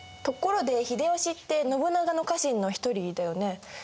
ところで秀吉って信長の家臣の一人だよね？